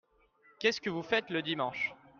Qu'est-ce que vous faites le dimanche.